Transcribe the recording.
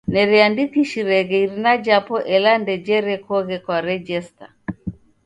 Nereandikishireghe irina japo ela ndejerekoghe kwa rejesta.